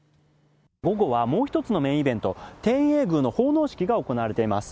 午後はもう一つのメインイベント、天苑宮の奉納式が行われています。